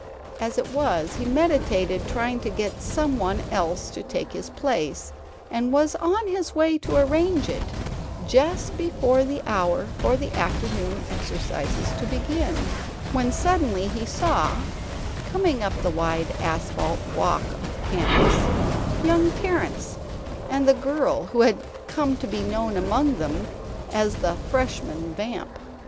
As it was, he meditated trying to get some one else to take his place, and was on his way to arrange it, just before the hour for the afternoon exercises to begin, when suddenly he saw, coming up the wide asphalt walk of the campus, young Terrence, and the girl who had come to be known among them as the "Freshman Vamp."